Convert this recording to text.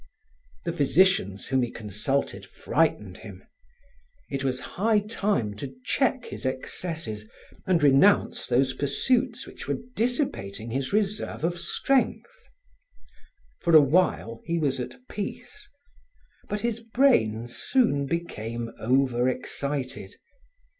The physicians whom he consulted frightened him. It was high time to check his excesses and renounce those pursuits which were dissipating his reserve of strength! For a while he was at peace, but his brain soon became over excited.